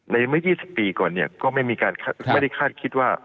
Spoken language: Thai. ในไม่ยี่สิบปีก่อนเนี้ยก็ไม่มีการไม่ได้คาดคิดว่า